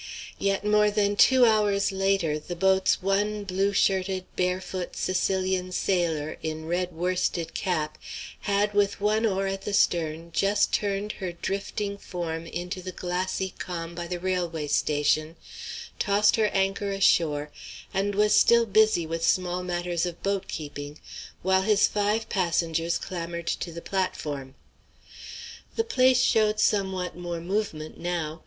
Yet more than two hours later the boat's one blue shirted, barefoot Sicilian sailor in red worsted cap had with one oar at the stern just turned her drifting form into the glassy calm by the railway station, tossed her anchor ashore, and was still busy with small matters of boat keeping, while his five passengers clambered to the platform. The place showed somewhat more movement now.